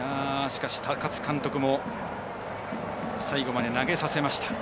しかし、高津監督も最後まで投げさせました。